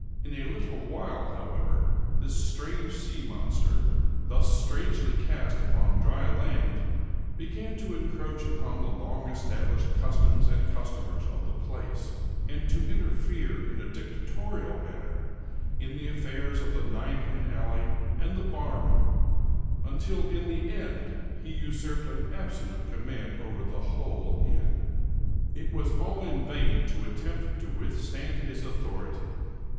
In a little while, however, this strange sea monster, thus strangely cast upon dry land, began to encroach upon the long established cus toms and customers of the place, and to interfere in a dicta torial manner in the affairs of the ninepin alley and the bar room, until in the end he usurped an absolute command over the whole inn. It was all in vain to attempt to withstand his authority.